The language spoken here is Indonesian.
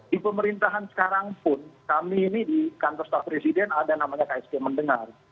di pemerintahan sekarang pun kami ini di kantor staf presiden ada namanya ksp mendengar